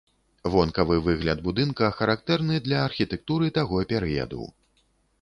Вонкавы выгляд будынка характэрны для архітэктуры таго перыяду.